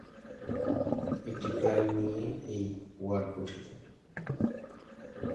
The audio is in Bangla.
একটি গ্রাম নিয়েই এই ওয়ার্ড গঠিত।